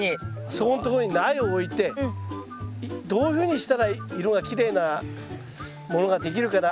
そこんところに苗を置いてどういうふうにしたら色がきれいなものができるかな。